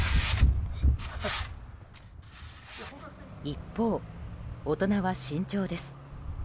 一方、大人は慎重です。